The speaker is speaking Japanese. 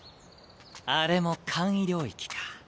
あれも「簡易領域」か。